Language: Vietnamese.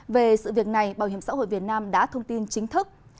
về sự việc này bảo hiểm xã hội việt nam đã thông tin chính thức